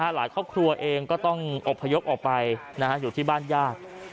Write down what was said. หลายครอบครัวเองก็ต้องอบพยพออกไปอยู่ที่บ้านญาติ